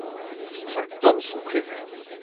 Cinq tomes sont prévus.